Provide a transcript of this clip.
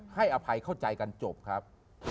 อภัยเข้าใจกันจบครับ